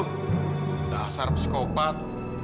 udah asar psikopat